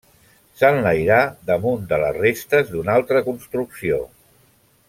S'enlairà damunt de les restes d'una altra construcció.